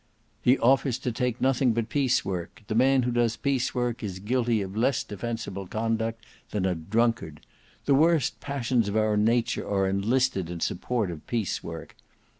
"He offers to take nothing but piece work; the man who does piece work is guilty of less defensible conduct than a drunkard. The worst passions of our nature are enlisted in support of piece work.